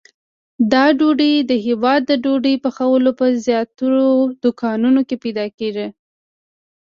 دا ډوډۍ د هیواد د ډوډۍ پخولو په زیاترو دوکانونو کې پیدا کېږي.